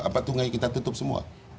apa tunggai kita tutup semua